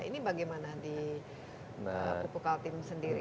ini bagaimana di pupuk altim sendiri